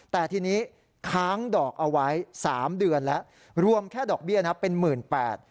แต่ทีนี้ค้างดอกเอาไว้สามเดือนแล้วรวมแค่ดอกเบี้ยนะเป็นหมื่นแปด